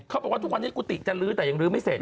เขาบอกว่าทุกวันนี้กุฏิจะลื้อแต่ยังลื้อไม่เสร็จ